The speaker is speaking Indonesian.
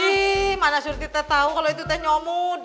ih mana surti tau kalo itu teh nyomot deh